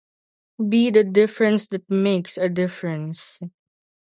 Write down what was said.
Be the difference that makes a difference.